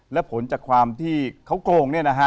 และผลจากความที่เขาโกง